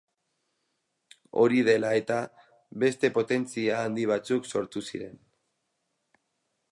Hori dela-eta beste potentzia handi batzuk sortu ziren.